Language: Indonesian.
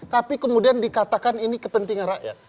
tapi kemudian dikatakan ini kepentingan rakyat